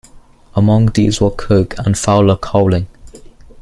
Among these were Coke and Fowler Cowling.